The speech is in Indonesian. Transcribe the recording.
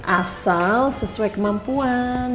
asal sesuai kemampuan